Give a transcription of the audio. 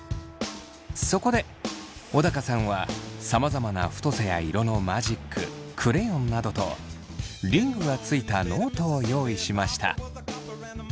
そこで小高さんはさまざまな太さや色のマジッククレヨンなどとリングがついたノートを用意しました。